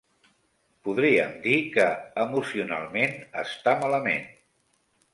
Podríem dir que emocionalment està malament.